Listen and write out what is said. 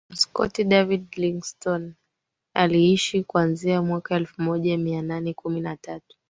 Mskoti David Livingstone aliishi kuanzia mwaka elfu moja mia nane kumi na tatu